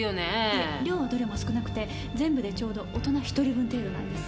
いえ量はどれも少なくて全部でちょうど大人一人分程度なんです。